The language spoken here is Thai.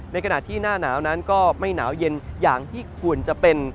ในขณะที่หน้าหนาวนั้นก็ไม่หนาวเย็นอย่างที่ควรจะเป็น